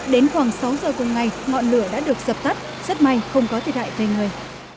đến khoảng sáu giờ cùng ngày ngọn lửa đã được dập tắt rất may không có thiệt hại về người